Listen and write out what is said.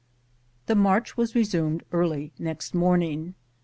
The march was resumed early next morning.